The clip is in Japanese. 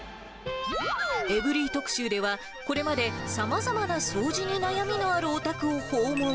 エブリィ特集では、これまで、さまざまな掃除に悩みのあるお宅を訪問。